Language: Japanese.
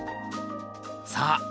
さあ！